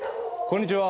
こんにちは。